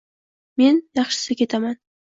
Men yaxshisi ketaman.